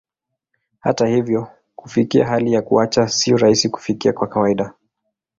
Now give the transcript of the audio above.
Hata hivyo, kufikia hali ya kuacha sio rahisi kufikia kwa kawaida.